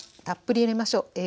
たっぷり入れましょう。